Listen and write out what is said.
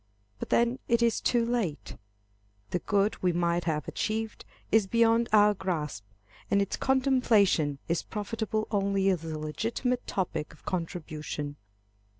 But then it is too late. The good we might have achieved, is beyond our grasp, and its contemplation is profitable only as a legitimate topic of contrition.